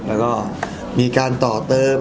แล้วก็มีการต่อเติม